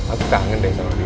aku kangen deh sama dia